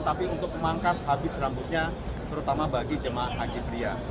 tapi untuk memangkas habis rambutnya terutama bagi jemaah haji pria